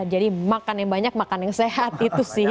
jadi makan yang banyak makan yang sehat itu sih